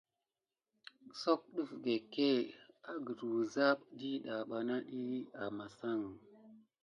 Sogue def kegué ka si agute wuza dida bana dit amasan.